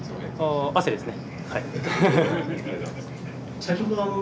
汗ですね。